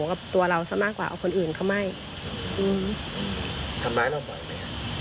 กับตัวเราซะมากกว่าเอาคนอื่นเขาไหม้อืมทำร้ายเราบ่อยไหม